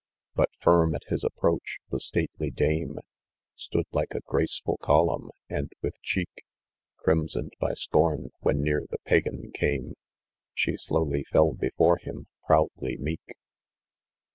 Ilut firm at his approach, the stately dame Stood, like a graceful column, and with cheek Crimsoned by scorn, when near the pajan came, She slowly fell before him proudly meek.